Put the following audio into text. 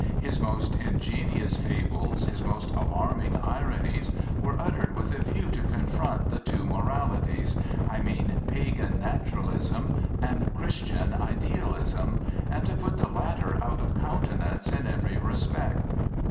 His most ingenious fables, his most alarming ironies were uttered with a view to confront the two moralities I mean, pagan naturalism and Christian idealism, and to put the latter out of countenance in every respect.